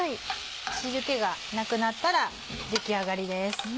汁気がなくなったら出来上がりです。